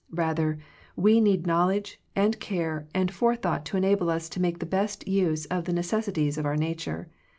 Rather, we need knowledge, and care, and forethought to enable us to make the best use of the necessities of our nature.